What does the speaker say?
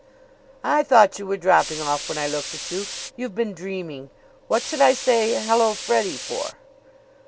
"I thought you were dropping off when I looked at you. You've been dreaming. What should I say, 'Hello, Freddie!' for?"